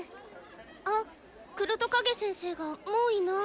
あっ黒戸カゲ先生がもういない。